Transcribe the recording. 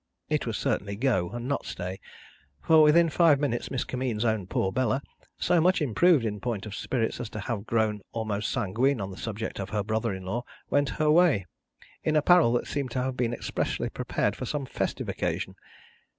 It was certainly go, and not stay, for within five minutes Miss Kimmeens's own poor Bella so much improved in point of spirits as to have grown almost sanguine on the subject of her brother in law went her way, in apparel that seemed to have been expressly prepared for some festive occasion.